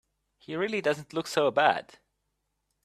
He really doesn't look so bad.